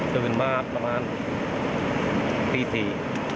เจอเป็นมาประมาณ๔นาที